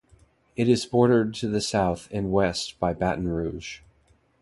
It is bordered to the south and west by Baton Rouge.